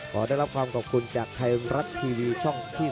ขอได้รับความขอบคุณจากไทยรัฐทีวีช่อง๓๒